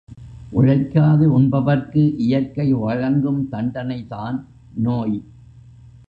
உழைக்காது உண்பவர்க்கு இயற்கை வழங்கும் தண்டனை தான் நோய்.